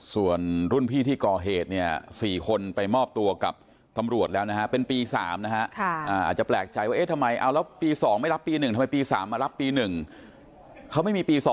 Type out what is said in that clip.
ส่วนรุ่นพี่ที่ก่อเหตุเนี่ย๔คนไปมอบตัวกับตำรวจแล้วนะฮะเป็นปี๓นะฮะอาจจะแปลกใจว่าเอ๊ะทำไมเอาแล้วปี๒ไม่รับปี๑ทำไมปี๓มารับปี๑เขาไม่มีปี๒